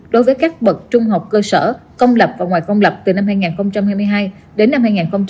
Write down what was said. đối với các bậc trung học cơ sở công lập và ngoài công lập từ năm hai nghìn hai mươi hai đến năm hai nghìn hai mươi ba